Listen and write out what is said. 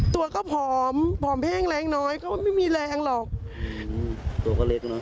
ตัวก็ผอมผอมเพ่งแรงน้อยก็ไม่มีแรงหรอกตัวก็เล็กเนอ